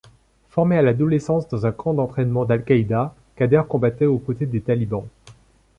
Formé à l'adolescence dans un camp d'entraînement d'Al-Qaïda, Khadr combattait aux côtés des talibans.